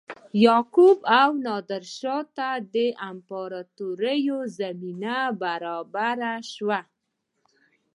یعقوب او نادرشاه ته د امپراتوریو زمینه برابره شوه.